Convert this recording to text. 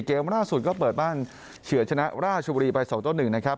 เกมล่าสุดก็เปิดบ้านเฉือชนะราชบุรีไป๒ต่อ๑นะครับ